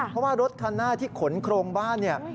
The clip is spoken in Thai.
เพราะว่ารถคันหน้าที่ขนโครงบ้านเนี่ย